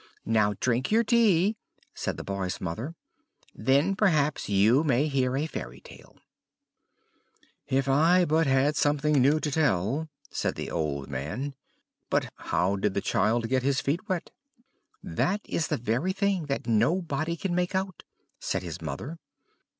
"Now drink your tea," said the boy's mother; "then, perhaps, you may hear a fairy tale." "If I had but something new to tell," said the old man. "But how did the child get his feet wet?" "That is the very thing that nobody can make out," said his mother.